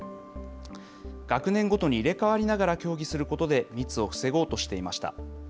学年ごとに入れ代わりながら競技することで密を防ごうとしていました。